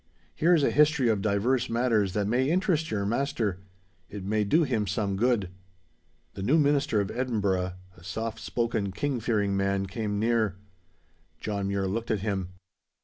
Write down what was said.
Here is a history of divers matters that may interest your master. It may do him some good.' The new minister of Edinburgh, a soft spoken, King fearing man, came near. John Mure looked at him.